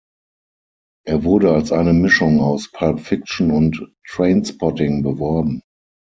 Er wurde als eine Mischung aus "Pulp Fiction" und "Trainspotting" beworben.